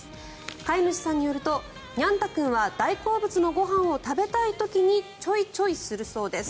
飼い主さんによるとにゃん太君は大好物のご飯を食べたい時にチョイチョイするそうです。